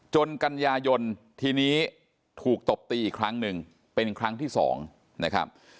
กันยายนทีนี้ถูกตบตีอีกครั้งหนึ่งเป็นครั้งที่สองนะครับ